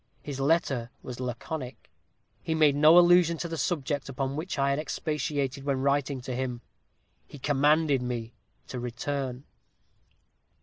His letter was laconic. He made no allusion to the subject upon which I had expatiated when writing to him. He commanded me to return.